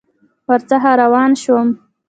ورڅخه روان شوم.